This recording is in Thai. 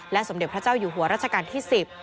สมเด็จพระเจ้าอยู่หัวรัชกาลที่๑๐